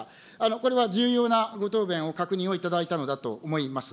これは重要なご答弁を確認をいただいたのだと思います。